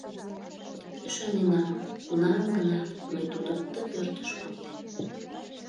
Ӱшаненам: кунам-гынат мый тудым ты пӧртыш кондем.